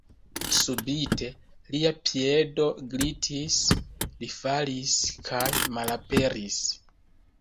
Subite lia piedo glitis; li falis kaj malaperis.